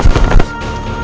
dan bayi kita